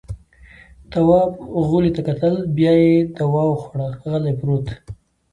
تواب غولي ته کتل. بيا يې دوا وخوړه، غلی پرېووت.